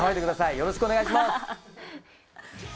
よろしくお願いします。